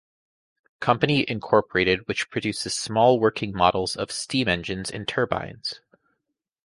Company, Incorporated which produces small working models of steam engines and turbines.